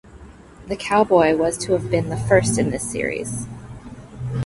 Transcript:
The cowboy was to have been the first in this series.